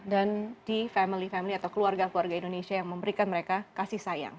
dan di family family atau keluarga keluarga indonesia yang memberikan mereka kasih sayang